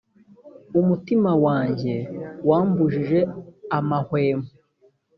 umutima wanjye wambujije amahwemo